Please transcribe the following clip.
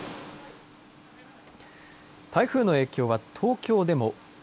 台風の影響は東京でも。